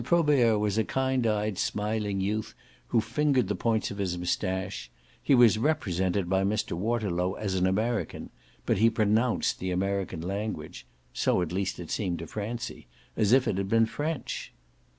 Probert was a kind eyed smiling youth who fingered the points of his moustache; he was represented by Mr. Waterlow as an American, but he pronounced the American language so at least it seemed to Francie as if it had been French.